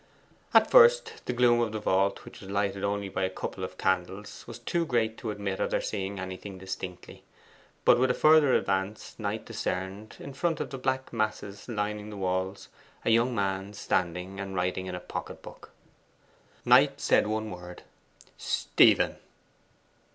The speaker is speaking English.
At first, the gloom of the vault, which was lighted only by a couple of candles, was too great to admit of their seeing anything distinctly; but with a further advance Knight discerned, in front of the black masses lining the walls, a young man standing, and writing in a pocket book. Knight said one word: 'Stephen!